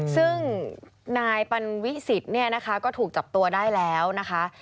ซึ่งนายปันวิสิตเนี่ยนะคะก็ถูกจับตัวได้แล้วนะคะ